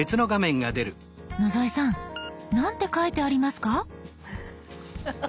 野添さんなんて書いてありますか？